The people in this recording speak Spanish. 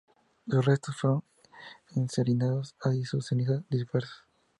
Sus restos fueron incinerados, y sus cenizas dispersas.